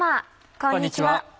こんにちは。